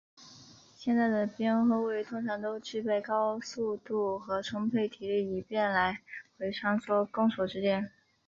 现代的边后卫通常都具备高速度和充沛体力以便来回穿梭攻守之间。